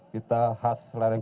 kita khas selera gunung